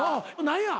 何や。